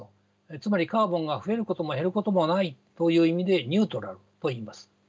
つまりカーボンが増えることも減ることもないという意味でニュートラルといいます。